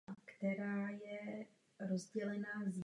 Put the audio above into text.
Dům je k dispozici pro výlety druhý víkend každého měsíce.